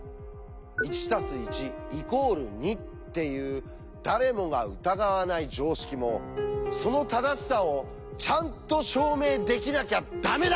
「『１＋１＝２』っていう誰もが疑わない常識もその正しさをちゃんと証明できなきゃダメだ！」